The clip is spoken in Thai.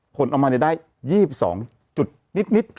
ผลออกมาได้๒๒จุดนิด